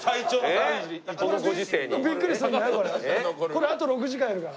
これあと６時間やるから。